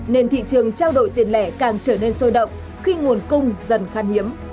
nên thị trường trao đổi tiền lẻ càng trở nên sôi động khi nguồn cung dần khan hiếm